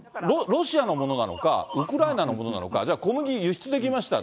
ロシアのものなのか、ウクライナのものなのか、じゃあ、小麦、輸出できました。